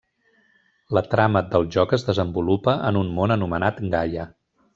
La trama del joc es desenvolupa en un món anomenat Gaia.